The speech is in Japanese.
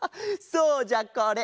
そうじゃこれ。